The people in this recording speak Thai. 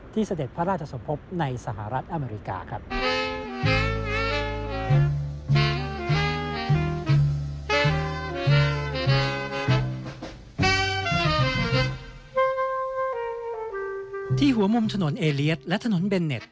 ที่หัวมุมทนนเอเลียทและทนนเบนเน็ต